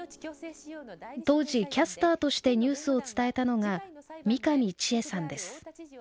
当時キャスターとしてニュースを伝えたのが三上智恵さんです。